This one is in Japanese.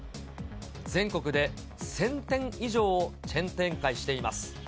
全国で１０００店以上チェーン展開しています。